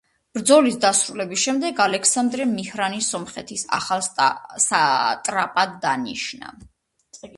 ბრძოლის დასრულების შემდეგ ალექსანდრემ მიჰრანი სომხეთის ახალ სატრაპად დანიშნა.